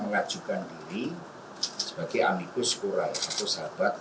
buat teman teman ps